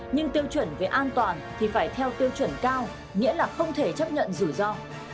nhưng tiêu chuẩn về an toàn thì phải theo tiêu chuẩn cao nghĩa là không thể chấp nhận rủi ro